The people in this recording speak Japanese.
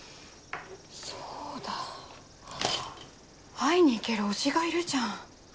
会いにいける推しがいるじゃん。